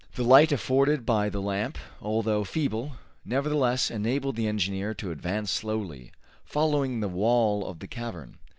The light afforded by the lamp, although feeble, nevertheless enabled the engineer to advance slowly, following the wall of the cavern.